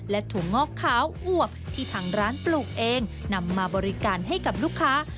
ถั่วงอกขาวอวบที่ทางร้านปลูกเองนำมาบริการให้กับลูกค้า